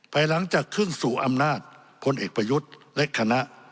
หลังจากขึ้นสู่อำนาจพลเอกประยุทธ์และคณะ